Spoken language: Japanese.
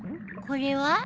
これは？